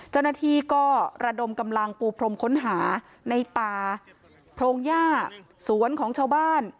เจ้าหน้าที่ก็ระดมกำลังปูพรมค้นหาในป่าโพรงย่าสวนของชาวบ้าน